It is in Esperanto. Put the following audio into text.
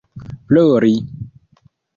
plori